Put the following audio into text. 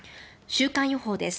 週間予報です。